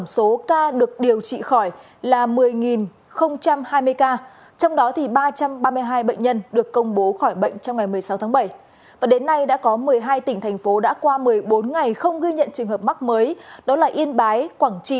xin chào các bạn